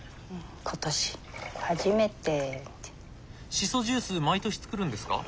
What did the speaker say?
しそジュース毎年作るんですか？